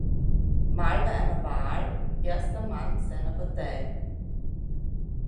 Mal bei einer Wahl erster Mann seiner Partei.